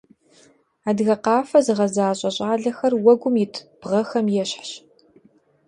Адыгэ къафэ зыгъэзащӏэ щӏалэхэр уэгум ит бгъэхэм ещхьщ.